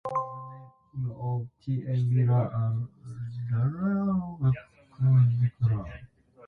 The community has the name of T. A. Miller, a railroad contractor.